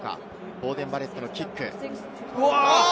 ボーデン・バレットのキック。